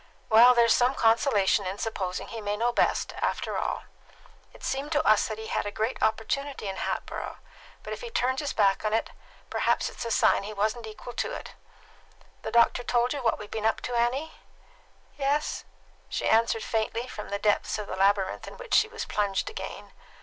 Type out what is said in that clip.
Well, there's some consolation in supposing he may know best, after all. It seemed to us that he had a great opportunity in Hatboro', but if he turns his back on it, perhaps it's a sign he wasn't equal to it. The doctor told you what we've been up to, Annie?" "Yes," she answered faintly, from the depths of the labyrinth in which she was plunged again.